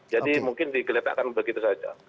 jadi mungkin digeletakkan begitu saja